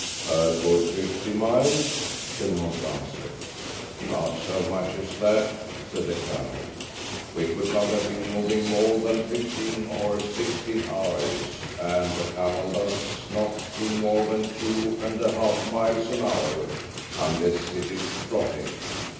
"A good fifty miles," Belmont answered. "Not so much as that," said the Colonel. "We could not have been moving more than fifteen or sixteen hours, and a camel does not do more than two and a half miles an hour unless it is trotting.